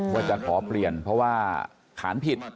ว่าจะขอเปลี่ยนเพราะว่าขานผิด